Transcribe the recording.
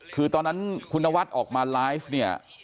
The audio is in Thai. คือตอนนั้นคุณนวัดออกมาไลฟ์เนี่ย